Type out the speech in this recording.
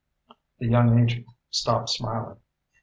The young agent stopped smiling.